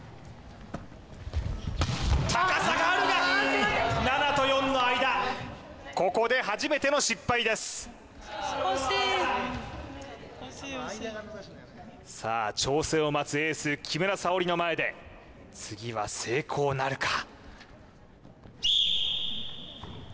高さがあるが７と４の間ここで初めての失敗ですさあ挑戦を待つエース木村沙織の前で次は成功なるか？